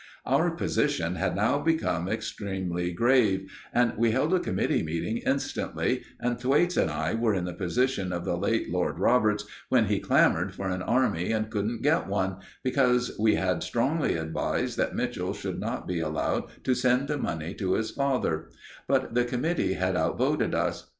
Our position had now become extremely grave, and we held a committee meeting instantly, and Thwaites and I were in the position of the late Lord Roberts when he clamoured for an army and couldn't get one, because we had strongly advised that Mitchell should not be allowed to send the money to his father; but the committee had outvoted us.